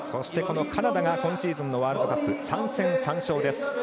カナダが今シーズンのワールドカップ３戦３勝です。